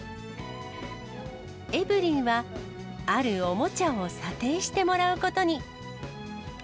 エブリィは、あるおもちゃを査定してもらうことに。